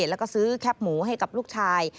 แล้วก็ซื้อแคปหมูให้กับลูกชาย